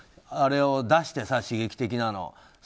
あれを出してさ、刺激的なの。